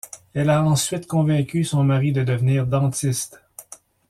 Elle a ensuite convaincu son mari de devenir dentiste.